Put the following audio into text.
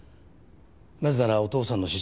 なぜならお父さんの失踪